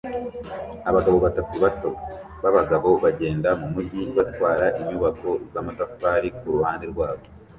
Abagabo batatu bato b'abagabo bagenda mu mujyi batwara inyubako z'amatafari kuruhande rwabo